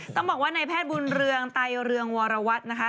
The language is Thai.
ต้องบอกว่าในแพทย์บุญเรืองไตเรืองวรวัตรนะคะ